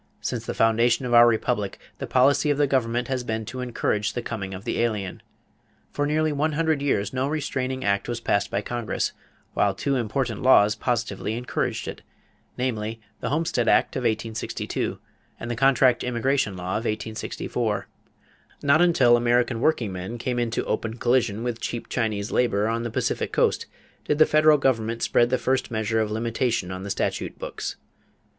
Since the foundation of our republic the policy of the government had been to encourage the coming of the alien. For nearly one hundred years no restraining act was passed by Congress, while two important laws positively encouraged it; namely, the homestead act of 1862 and the contract immigration law of 1864. Not until American workingmen came into open collision with cheap Chinese labor on the Pacific Coast did the federal government spread the first measure of limitation on the statute books.